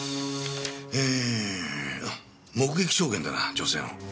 え目撃証言だな女性の。